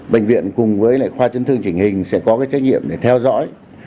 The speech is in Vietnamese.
bệnh viện cùng với khoa chân thương trình hình sẽ có trách nhiệm để theo dõi